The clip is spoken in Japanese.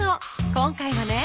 今回はね